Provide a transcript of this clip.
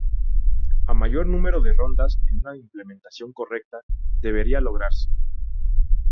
A mayor número de rondas, en una implementación correcta, debería lograrse.